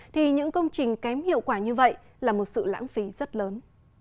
thì những công trình kém hiệu quả như vậy là một sự lãng phí rất lớn